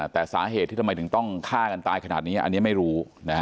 แต่สาเหตุที่ทำไมถึงต้องฆ่ากันตายขนาดนี้อันนี้ไม่รู้